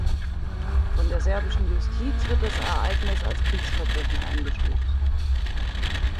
Von der serbischen Justiz wird das Ereignis als Kriegsverbrechen eingestuft.